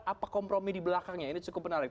apa kompromi di belakangnya ini cukup menarik